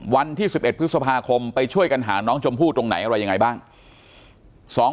วันที่๑๑พฤษภาคมไปช่วยกันหาน้องชมพู่ตรงไหนอะไรยังไงบ้าง